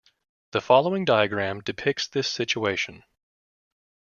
The following diagram depicts this situation.